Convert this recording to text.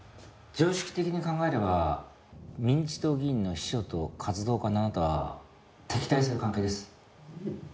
「常識的に考えれば民自党議員の秘書と活動家のあなたは敵対する関係です」